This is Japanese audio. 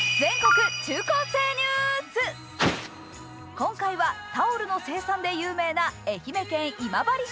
今回はタオルの生産で有名な愛媛県今治市。